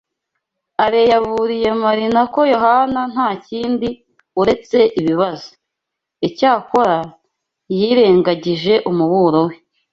Alain yaburiye Marina ko Yohana nta kindi uretse ibibazo. Icyakora, yirengagije umuburo we.